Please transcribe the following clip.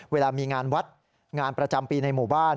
เวลามีงานวัดงานประจำปีในหมู่บ้าน